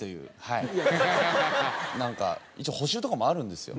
なんか一応補習とかもあるんですよ。